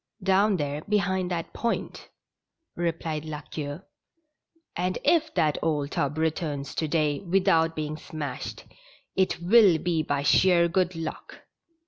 "Down there behind that point," replied La Queue. " And if that old tub returns to day without being smashed, it will be by sheer good luck."